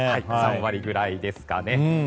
３割ぐらいですかね。